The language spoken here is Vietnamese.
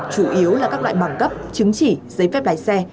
chủ yếu là các loại bằng cấp chứng chỉ giấy phép lái xe